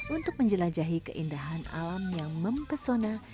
untuk menjelajahi keindahan alam yang mempesona